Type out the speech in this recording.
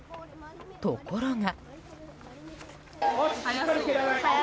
ところが。